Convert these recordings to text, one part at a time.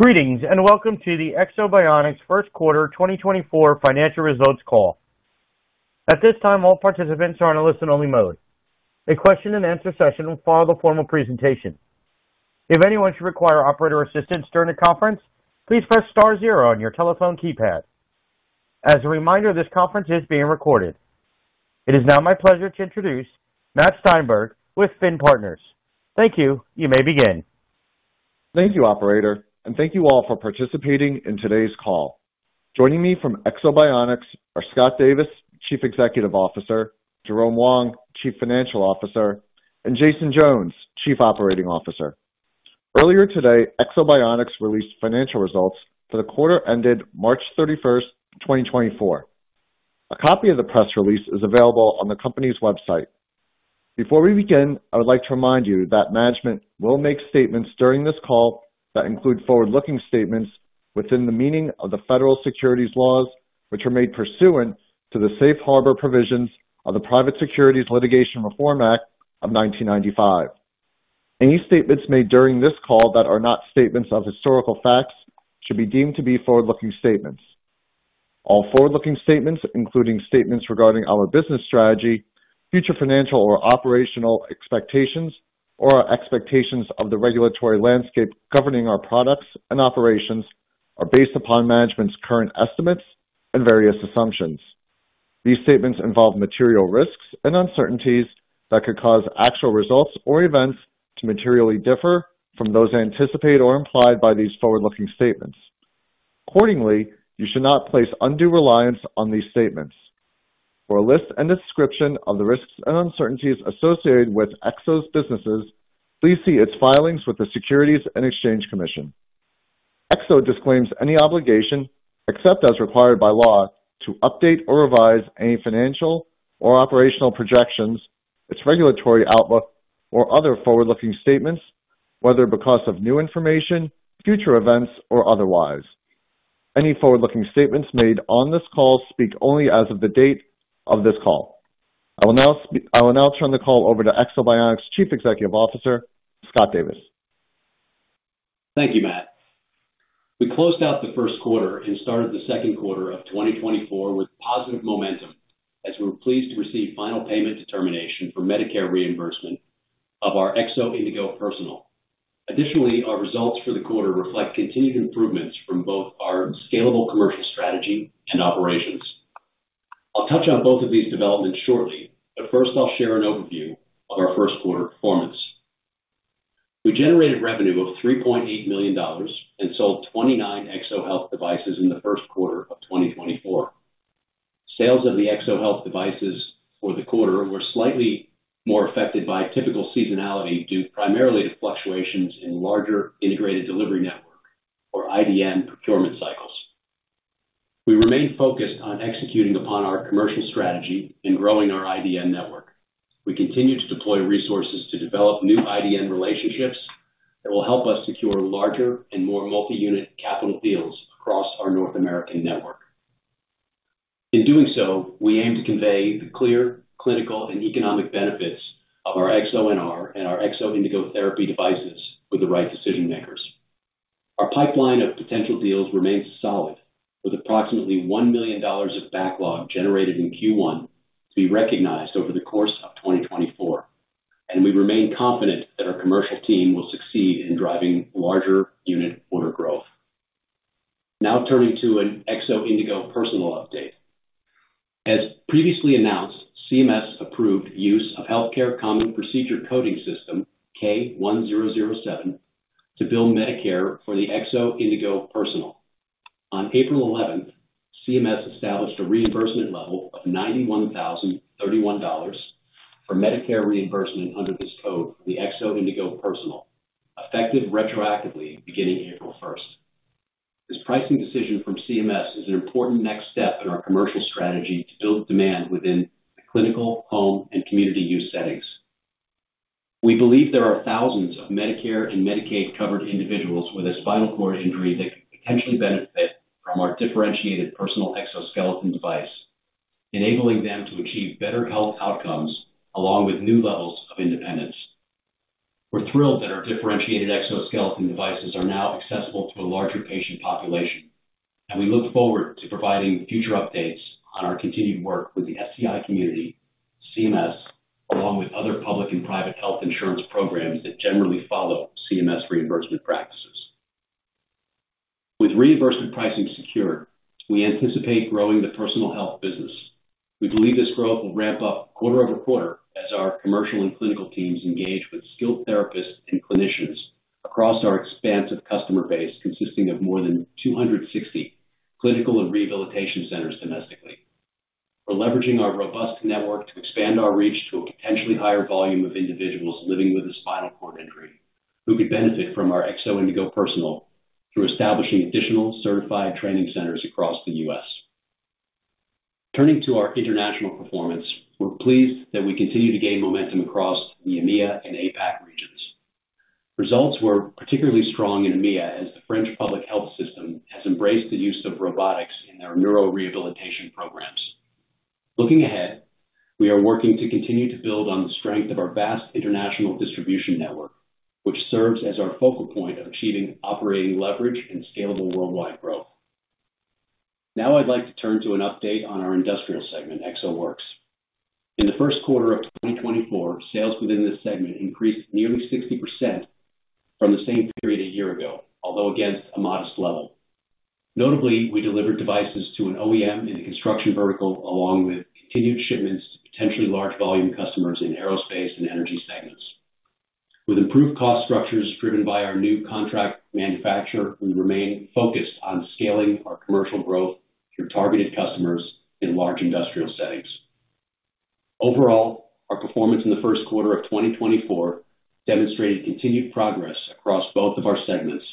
Greetings, and welcome to the Ekso Bionics First Quarter 2024 Financial Results Call. At this time, all participants are on a listen-only mode. A question and answer session will follow the formal presentation. If anyone should require operator assistance during the conference, please press star zero on your telephone keypad. As a reminder, this conference is being recorded. It is now my pleasure to introduce Matt Steinberg with Finn Partners. Thank you. You may begin. Thank you, operator, and thank you all for participating in today's call. Joining me from Ekso Bionics are Scott Davis, Chief Executive Officer, Jerome Wong, Chief Financial Officer, and Jason Jones, Chief Operating Officer. Earlier today, Ekso Bionics released financial results for the quarter ended March 31, 2024. A copy of the press release is available on the company's website. Before we begin, I would like to remind you that management will make statements during this call that include forward-looking statements within the meaning of the federal securities laws, which are made pursuant to the Safe Harbor provisions of the Private Securities Litigation Reform Act of 1995. Any statements made during this call that are not statements of historical facts should be deemed to be forward-looking statements. All forward-looking statements, including statements regarding our business strategy, future financial or operational expectations, or our expectations of the regulatory landscape governing our products and operations, are based upon management's current estimates and various assumptions. These statements involve material risks and uncertainties that could cause actual results or events to materially differ from those anticipated or implied by these forward-looking statements. Accordingly, you should not place undue reliance on these statements. For a list and description of the risks and uncertainties associated with Ekso's businesses, please see its filings with the Securities and Exchange Commission. Ekso disclaims any obligation, except as required by law, to update or revise any financial or operational projections, its regulatory outlook, or other forward-looking statements, whether because of new information, future events, or otherwise. Any forward-looking statements made on this call speak only as of the date of this call. I will now turn the call over to Ekso Bionics' Chief Executive Officer, Scott Davis. Thank you, Matt. We closed out the first quarter and started the second quarter of 2024 with positive momentum, as we were pleased to receive final payment determination for Medicare reimbursement of our Ekso Indego Personal. Additionally, our results for the quarter reflect continued improvements from both our scalable commercial strategy and operations. I'll touch on both of these developments shortly, but first, I'll share an overview of our first quarter performance. We generated revenue of $3.8 million and sold 29 EksoHealth devices in the first quarter of 2024. Sales of the EksoHealth devices for the quarter were slightly more affected by typical seasonality, due primarily to fluctuations in larger integrated delivery network, or IDN, procurement cycles. We remain focused on executing upon our commercial strategy and growing our IDN network. We continue to deploy resources to develop new IDN relationships that will help us secure larger and more multi-unit capital deals across our North American network. In doing so, we aim to convey the clear clinical and economic benefits of our EksoNR and our Ekso Indego Therapy devices with the right decision makers. Our pipeline of potential deals dremains solid, with approximately $1 million of backlog generated in Q1 to be recognized over the course of 2024, and we remain confident that our commercial team will succeed in driving larger unit order growth. Now, turning to an Ekso Indego Personal update. As previously announced, CMS approved use of Healthcare Common Procedure Coding System, K1007, to bill Medicare for the Ekso Indego Personal. On April 11, CMS established a reimbursement level of $91,031 for Medicare reimbursement under this code for the Ekso Indego Personal, effective retroactively beginning April 1. This pricing decision from CMS is an important next step in our commercial strategy to build demand within the clinical, home, and community use settings. We believe there are thousands of Medicare and Medicaid-covered individuals with a spinal cord injury that could potentially benefit from our differentiated personal exoskeleton device, enabling them to achieve better health outcomes along with new levels of independence. We're thrilled that our differentiated exoskeleton devices are now accessible to a larger patient population, and we look forward to providing future updates on our continued work with the SCI community, CMS, along with other public and private health insurance programs that generally follow CMS reimbursement practices. With reimbursement pricing secured, we anticipate growing the personal health business. We believe this growth will ramp up quarter-over-quarter as our commercial and clinical teams engage with skilled therapists and clinicians across our expansive customer base, consisting of more than 260 clinical and rehabilitation centers domestically. We're leveraging our robust network to expand our reach to a potentially higher volume of individuals living with a spinal cord injury, who could benefit from our Ekso Indego Personal through establishing additional certified training centers across the U.S. Turning to our international performance, we're pleased that we continue to gain momentum across the EMEA and APAC regions. Results were particularly strong in EMEA, as the French public health system has embraced the use of robotics in their neurorehabilitation programs. Looking ahead, we are working to continue to build on the strength of our vast international distribution network, which serves as our focal point of achieving operating leverage and scalable worldwide growth. Now, I'd like to turn to an update on our industrial segment, EksoWorks. In the first quarter of 2024, sales within this segment increased nearly 60%, from the same period a year ago, although against a modest level. Notably, we delivered devices to an OEM in the construction vertical, along with continued shipments to potentially large volume customers in aerospace and energy segments. With improved cost structures driven by our new contract manufacturer, we remain focused on scaling our commercial growth through targeted customers in large industrial settings. Overall, our performance in the first quarter of 2024 demonstrated continued progress across both of our segments.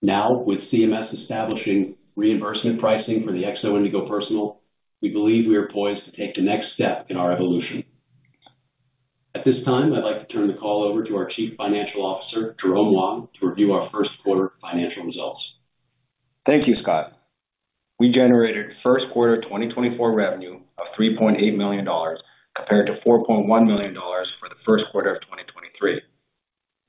Now, with CMS establishing reimbursement pricing for the Ekso Indego Personal, we believe we are poised to take the next step in our evolution. At this time, I'd like to turn the call over to our Chief Financial Officer, Jerome Wong, to review our first quarter financial results. Thank you, Scott. We generated first quarter 2024 revenue of $3.8 million, compared to $4.1 million for the first quarter of 2023.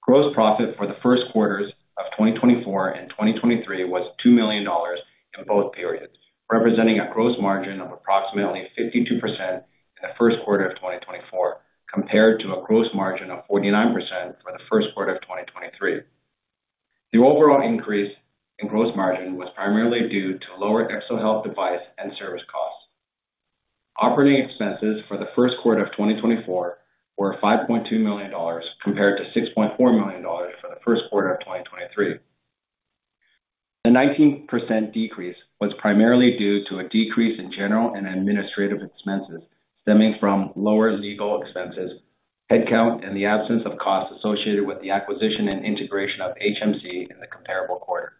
Gross profit for the first quarters of 2024 and 2023 was $2 million in both periods, representing a gross margin of approximately 52%, in the first quarter of 2024, compared to a gross margin of 49%, for the first quarter of 2023. The overall increase in gross margin was primarily due to lower EksoHealth device and service costs. Operating expenses for the first quarter of 2024 were $5.2 million, compared to $6.4 million for the first quarter of 2023. The 19% decrease was primarily due to a decrease in general and administrative expenses, stemming from lower legal expenses, headcount, and the absence of costs associated with the acquisition and integration of HMC in the comparable quarter.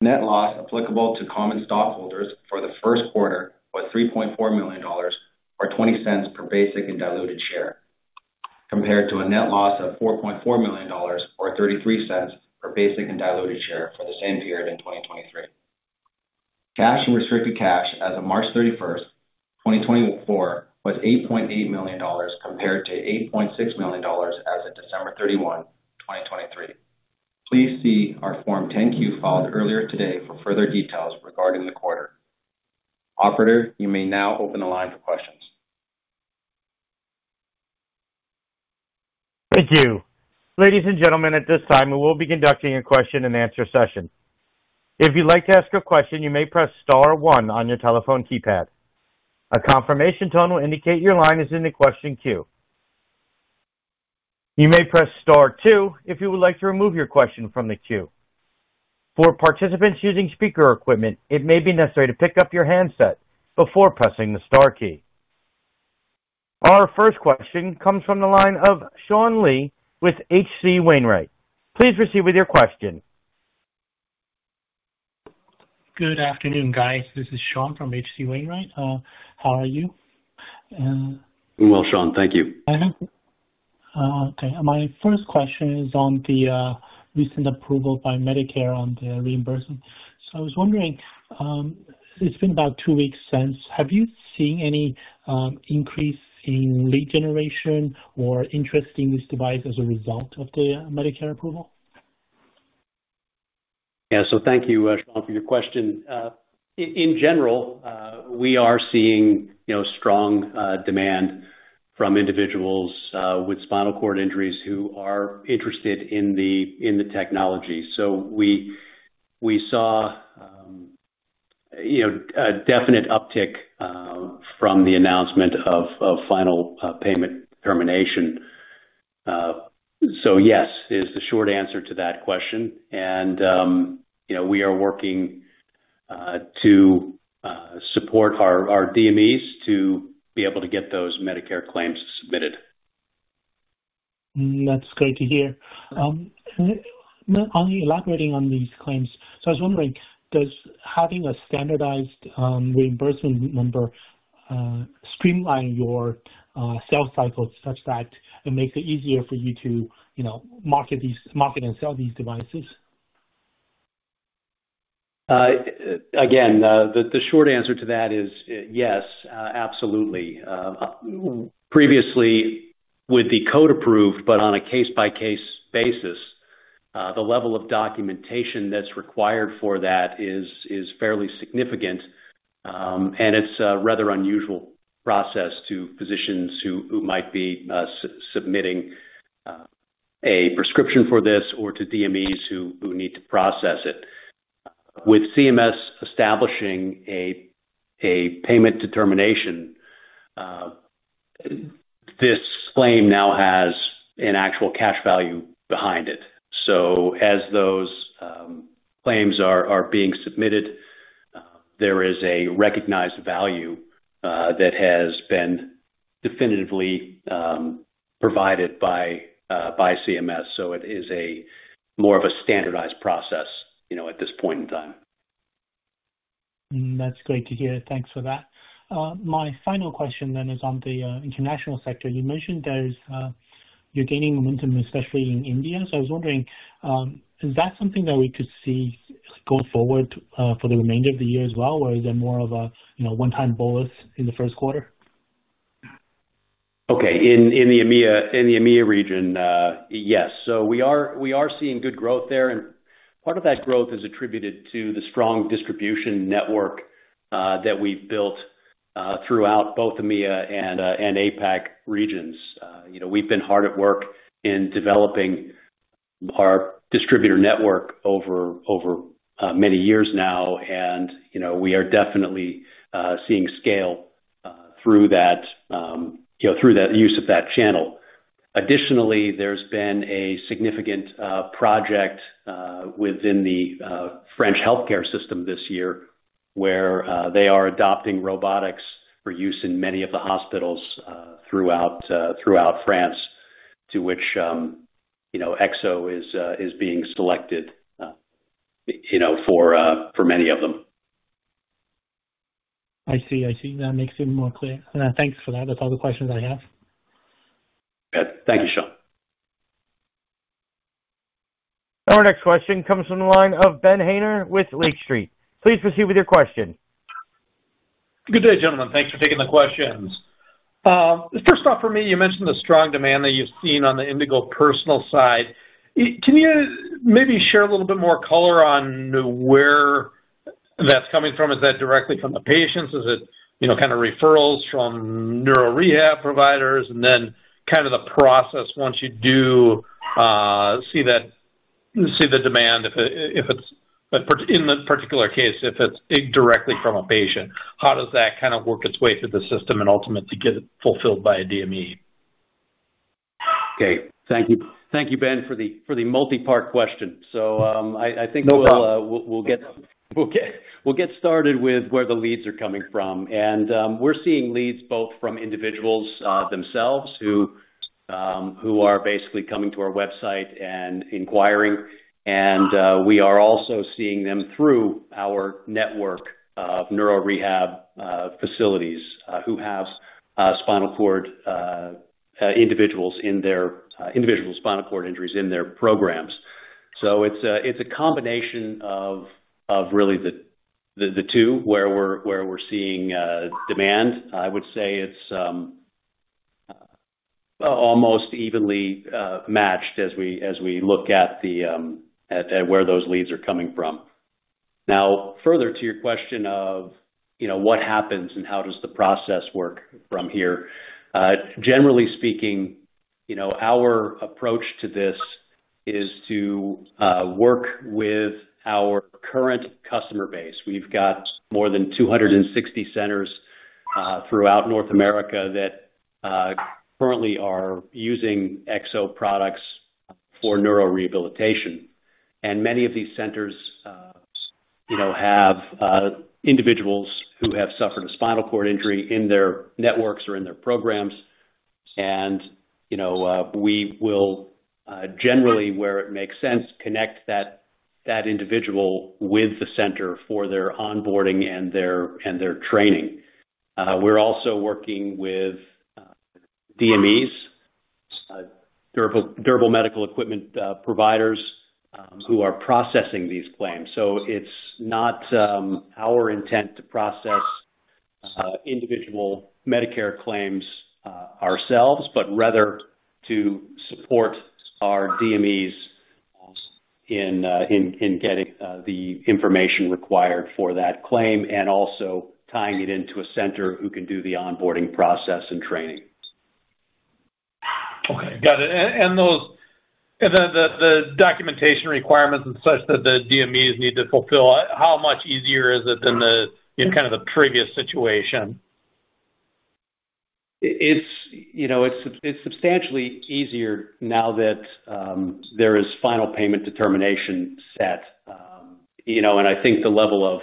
Net loss applicable to common stockholders for the first quarter was $3.4 million, or $0.20 per basic and diluted share, compared to a net loss of $4.4 million, or $0.33 per basic and diluted share for the same period in 2023. Cash and restricted cash as of March 31, 2024, was $8.8 million, compared to $8.6 million as of December 31, 2023. Please see our Form 10-Q filed earlier today for further details regarding the quarter. Operator, you may now open the line for questions. Thank you. Ladies and gentlemen, at this time, we will be conducting a question-and-answer session. If you'd like to ask a question, you may press star one on your telephone keypad. A confirmation tone will indicate your line is in the question queue. You may press star two if you would like to remove your question from the queue. For participants using speaker equipment, it may be necessary to pick up your handset before pressing the star key. Our first question comes from the line of Sean Lee with H.C. Wainwright. Please proceed with your question. Good afternoon, guys. This is Sean from H.C. Wainwright. How are you? Well, Sean, thank you. Okay. My first question is on the recent approval by Medicare on the reimbursement. So I was wondering, it's been about two weeks since. Have you seen any increase in lead generation or interest in this device as a result of the Medicare approval? Yeah. So thank you, Sean, for your question. In general, we are seeing, you know, strong demand from individuals with spinal cord injuries who are interested in the technology. So we saw, you know, a definite uptick from the announcement of final payment determination. So yes, is the short answer to that question. And, you know, we are working to support our DMEs to be able to get those Medicare claims submitted. That's great to hear. On elaborating on these claims, so I was wondering, does having a standardized reimbursement number streamline your sales cycle such that it makes it easier for you to, you know, market these - market and sell these devices? Again, the short answer to that is yes, absolutely. Previously with the code approved, but on a case-by-case basis, the level of documentation that's required for that is fairly significant, and it's a rather unusual process to physicians who might be submitting a prescription for this or to DMEs who need to process it. With CMS establishing a payment determination, this claim now has an actual cash value behind it. So as those claims are being submitted, there is a recognized value that has been definitively provided by CMS, so it is more of a standardized process, you know, at this point in time. That's great to hear. Thanks for that. My final question then is on the international sector. You mentioned there's you're gaining momentum, especially in India. So I was wondering, is that something that we could see go forward, for the remainder of the year as well? Or is it more of a, you know, one-time bolus in the first quarter? Okay. In the EMEA region, yes. So we are seeing good growth there, and part of that growth is attributed to the strong distribution network that we've built throughout both EMEA and APAC regions. You know, we've been hard at work in developing our distributor network over many years now, and, you know, we are definitely seeing scale through that, you know, through that use of that channel. Additionally, there's been a significant project within the French healthcare system this year, where they are adopting robotics for use in many of the hospitals throughout France, to which, you know, Ekso is being selected, you know, for many of them. I see. I see. That makes it more clear, and, thanks for that. That's all the questions I have. Yeah. Thank you, Sean. Our next question comes from the line of Ben Haynor with Lake Street. Please proceed with your question. Good day, gentlemen. Thanks for taking the questions. First off, for me, you mentioned the strong demand that you've seen on the Indego personal side. Can you maybe share a little bit more color on where that's coming from? Is that directly from the patients? Is it, you know, kind of referrals from neuro rehab providers? And then kind of the process once you do see the demand, if it's in the particular case, if it's directly from a patient, how does that kind of work its way through the system and ultimately get fulfilled by a DME? Okay. Thank you. Thank you, Ben, for the multi-part question. So, I think- No problem. We'll get started with where the leads are coming from. And, we're seeing leads both from individuals themselves, who are basically coming to our website and inquiring, and we are also seeing them through our network of neuro rehab facilities who have individuals with spinal cord injuries in their programs. So it's a combination of really the two, where we're seeing demand. I would say it's almost evenly matched as we look at where those leads are coming from. Now, further to your question of, you know, what happens and how does the process work from here? Generally speaking, you know, our approach to this is to work with our current customer base. We've got more than 260 centers throughout North America that currently are using Ekso products for neurorehabilitation. Many of these centers, you know, have individuals who have suffered a spinal cord injury in their networks or in their programs. You know, we will generally, where it makes sense, connect that individual with the center for their onboarding and their training. We're also working with DMEs, Durable Medical Equipment, providers who are processing these claims. So it's not our intent to process individual Medicare claims ourselves, but rather to support our DMEs in getting the information required for that claim, and also tying it into a center who can do the onboarding process and training. Okay, got it. And those documentation requirements and such that the DMEs need to fulfill, how much easier is it than in kind of the previous situation? It's, you know, it's substantially easier now that there is final payment determination set. You know, and I think the level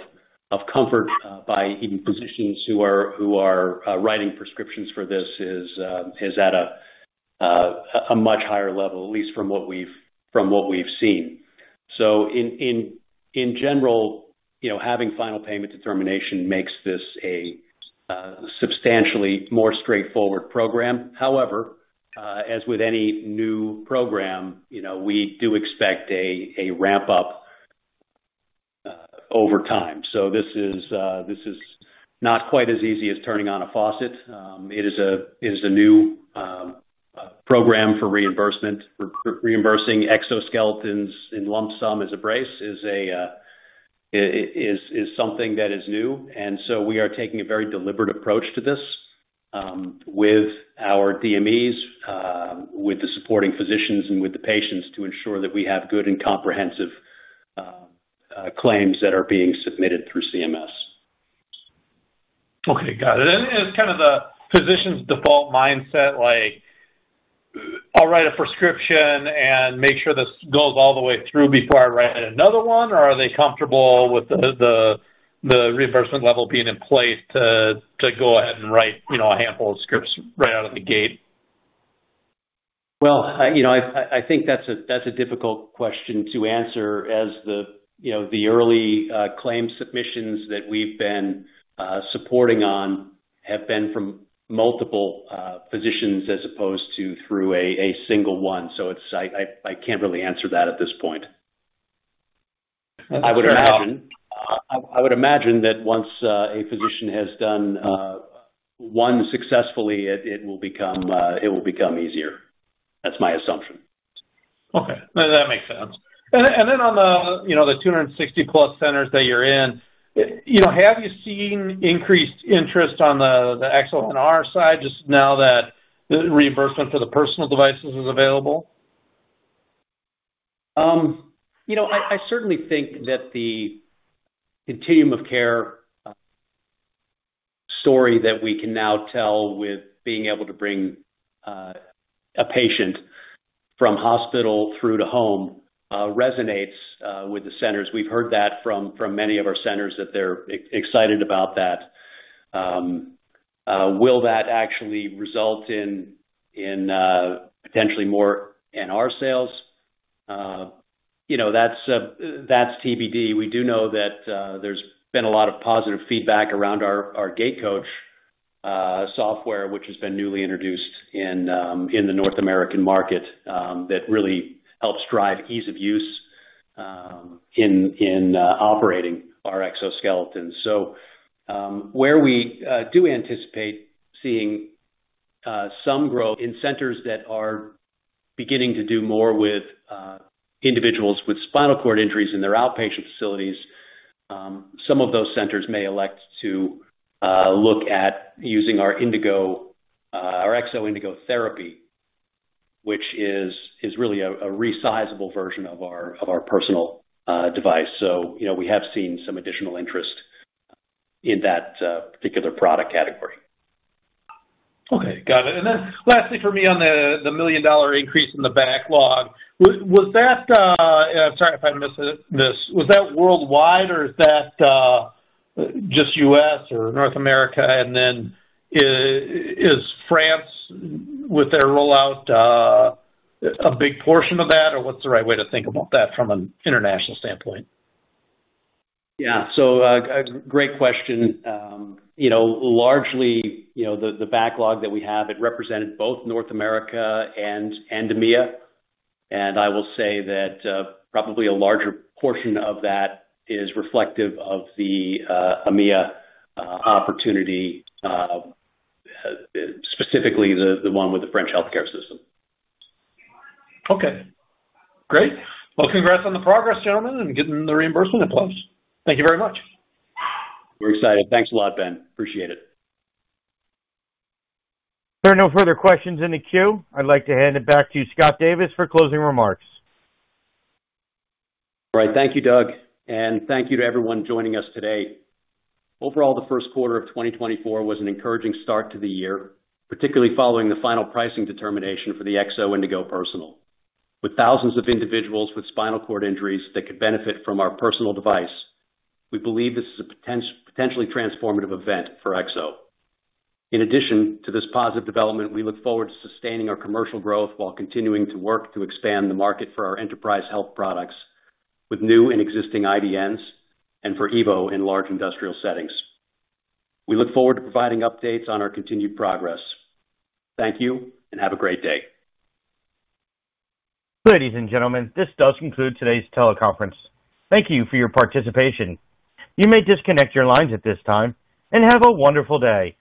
of comfort by even physicians who are writing prescriptions for this is at a much higher level, at least from what we've seen. So in general, you know, having final payment determination makes this a substantially more straightforward program. However, as with any new program, you know, we do expect a ramp up over time. So this is not quite as easy as turning on a faucet. It is a new program for reimbursement. Reimbursing exoskeletons in lump sum as a brace is something that is new, and so we are taking a very deliberate approach to this, with our DMEs, with the supporting physicians and with the patients, to ensure that we have good and comprehensive claims that are being submitted through CMS. Okay, got it. And is kind of the physician's default mindset, like, "I'll write a prescription and make sure this goes all the way through before I write another one?" Or are they comfortable with the reimbursement level being in place to go ahead and write, you know, a handful of scripts right out of the gate? Well, you know, I think that's a difficult question to answer as, you know, the early claim submissions that we've been supporting have been from multiple physicians as opposed to through a single one. So, I can't really answer that at this point. I would imagine that once a physician has done one successfully, it will become easier. That's my assumption. Okay. No, that makes sense. And then on the, you know, the 260+ centers that you're in, you know, have you seen increased interest on the EksoNR side, just now that the reimbursement for the personal devices is available? You know, I certainly think that the continuum of care story that we can now tell with being able to bring a patient from hospital through to home resonates with the centers. We've heard that from many of our centers that they're excited about that. Will that actually result in potentially more NR sales? You know, that's TBD. We do know that there's been a lot of positive feedback around our GaitCoach software, which has been newly introduced in the North American market that really helps drive ease of use in operating our exoskeleton. So, where we do anticipate seeing some growth in centers that are beginning to do more with individuals with spinal cord injuries in their outpatient facilities, some of those centers may elect to look at using our Indego, our Ekso Indego Therapy, which is really a resizable version of our personal device. So, you know, we have seen some additional interest in that particular product category. Okay, got it. And then lastly for me on the $1 million increase in the backlog, was that... I'm sorry if I missed it, was that worldwide or is that just U.S. or North America? And then is France, with their rollout, a big portion of that, or what's the right way to think about that from an international standpoint? Yeah. So, a great question. You know, largely, you know, the backlog that we have, it represented both North America and EMEA. And I will say that, probably a larger portion of that is reflective of the EMEA opportunity, specifically the one with the French healthcare system. Okay, great. Well, congrats on the progress, gentlemen, and getting the reimbursement in place. Thank you very much. We're excited. Thanks a lot, Ben. Appreciate it. There are no further questions in the queue. I'd like to hand it back to you, Scott Davis, for closing remarks. All right. Thank you, Doug, and thank you to everyone joining us today. Overall, the first quarter of 2024 was an encouraging start to the year, particularly following the final pricing determination for the Ekso Indego Personal. With thousands of individuals with spinal cord injuries that could benefit from our personal device, we believe this is a potentially transformative event for Ekso. In addition to this positive development, we look forward to sustaining our commercial growth while continuing to work to expand the market for our enterprise health products with new and existing IDNs and for EVO in large industrial settings. We look forward to providing updates on our continued progress. Thank you, and have a great day. Ladies and gentlemen, this does conclude today's teleconference. Thank you for your participation. You may disconnect your lines at this time, and have a wonderful day.